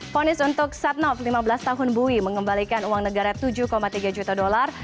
fonis untuk setnov lima belas tahun bui mengembalikan uang negara tujuh tiga juta dolar